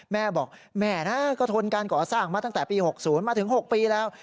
แม่บอกแม่นะก็ทนการก่อสร้างมาตั้งแต่ปี๖๐มาถึง๖ปีแล้ว